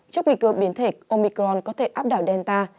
trước nguy cơ biến thể omicron có thể áp đảo delta